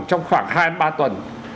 trong khoảng hai ba tuần